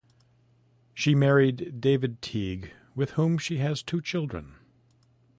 She married David Teague with whom she has two children.